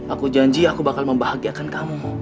aku janji aku bakal membahagiakan kamu